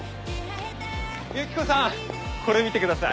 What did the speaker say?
ユキコさんこれ見てください！